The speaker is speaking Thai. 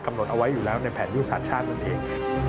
หดเอาไว้อยู่แล้วในแผนยุทธศาสตร์ชาตินั่นเอง